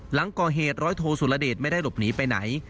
หลังก่อเหตุร้อยโทสุรเดชไม่ได้หลบหนีไปไหน